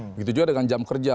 begitu juga dengan jam kerja